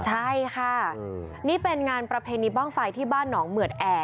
ใช่ค่ะนี่เป็นงานประเพณีบ้างไฟที่บ้านหนองเหมือดแอร์